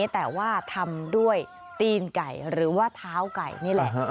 แต่ว่าทำด้วยตีนไก่หรือว่าเท้าไก่นี่แหละ